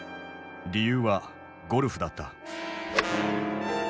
理由はゴルフだった。